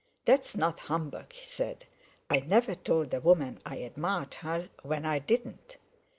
"That's not humbug," he said. "I never told a woman I admired her when I didn't.